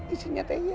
isinya teh ya